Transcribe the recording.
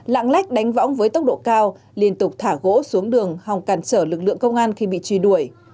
lạng lách đánh võng với tốc độ cao liên tục thả gỗ xuống đường hòng càn trở lực lượng công an khi bị truy đuổi